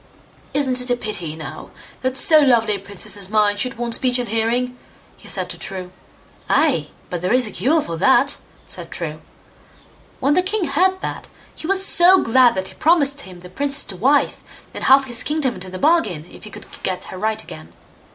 "Isn't it a pity, now, that so lovely a princess as mine should want speech and hearing", he said to True. "Ay, but there is a cure for that", said True. When the king heard that, he was so glad that he promised him the princess to wife, and half his kingdom into the bargain, if he could get her right again.